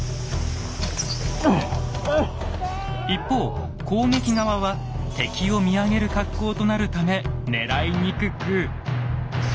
一方攻撃側は敵を見上げる格好となるため狙いにくく。